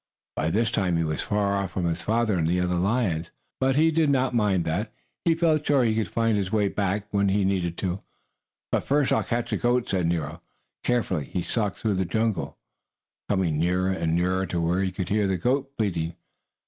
By this time he was far off from his father and the other lions. But he did not mind that. He felt sure he could find his way back when he needed to. "But first I'll catch that goat," said Nero. Carefully he stalked through the jungle, coming nearer and nearer to where he could hear the goat bleating.